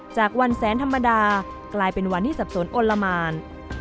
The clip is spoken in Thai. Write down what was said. จากวันแสนธรรมดากลายเป็นวันที่สับสนอนละมาน